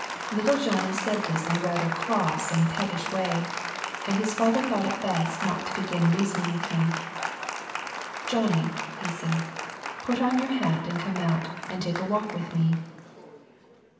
— Little Johnny said this in a rather cross and pettish way, and his father thought it best not to begin reasoning with him. " Johnny," he said, " put on your hat and come out, and take a walk with me."